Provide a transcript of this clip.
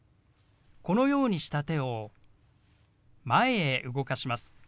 このようにした手を前へ動かします。